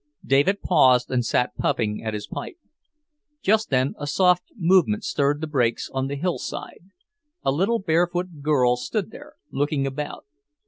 David paused and sat puffing at his pipe. Just then a soft movement stirred the brakes on the hillside. A little barefoot girl stood there, looking about.